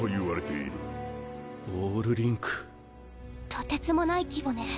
とてつもない規模ね。